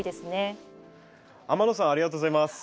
天野さんありがとうございます。